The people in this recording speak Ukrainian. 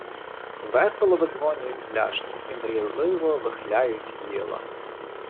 Весело видзвонюють пляшки і мрійливо вихляють віяла.